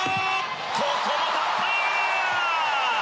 ここも立った！